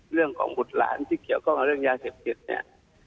เรื่องของบุตรหลานที่เกี่ยวกับเรื่องยาเสพจิตเนี่ย